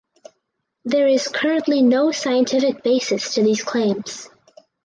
There is currently no scientific basis to these claims.